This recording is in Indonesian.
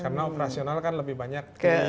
karena operasional kan lebih banyak